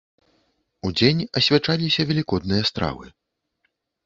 Удзень асвячаліся велікодныя стравы.